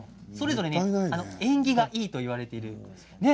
それぞれ縁起がいいといわれているものです。